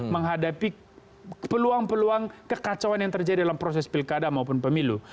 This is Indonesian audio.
menghadapi peluang peluang kekacauan yang terjadi dalam proses pilkada maupun pemilu